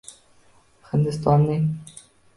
Hindistonning